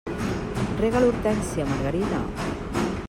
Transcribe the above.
Rega l'hortènsia, Margarida.